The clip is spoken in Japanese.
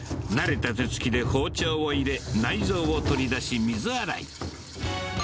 慣れた手つきで包丁を入れ、内臓を取り出し、水洗い。